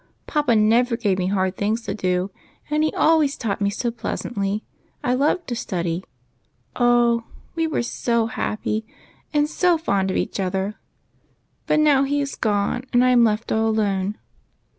Papa never gave me hard things to do, and he always taught me so pleasantly I loved to study. Oh, we were so happy and so fond of one another ! But now he is gone, and I am left all alone."